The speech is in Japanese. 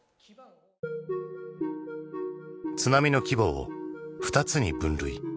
津波の規模を２つに分類。